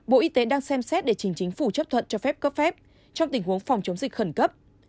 bộ y tế đang xem xét để chính chính phủ chấp thuận cho phép cấp phép trong tình huống phòng chống dịch khẩn cấp